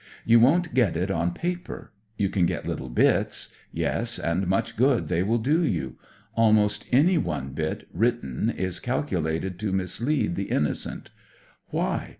You won't ^et it on paper. You can get little bits ; yes, and much good they will do you. Almost any one bit, ivritten, is calculated to ifp DESCRIBING INDESCRIBABLE mislead the innocent. Why?